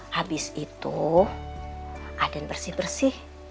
habis itu aden bersih bersih